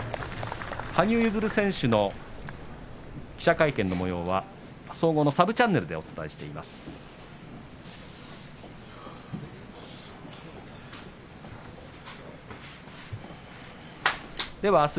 羽生結弦選手の記者会見のもようは総合サブチャンネルでお伝えしています。